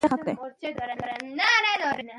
افغانستان د تودوخه په برخه کې نړیوال شهرت لري.